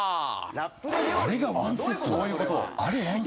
あれがワンセットなんだ。